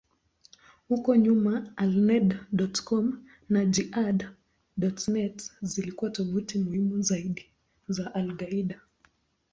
Huko nyuma, Alneda.com na Jehad.net zilikuwa tovuti muhimu zaidi za al-Qaeda.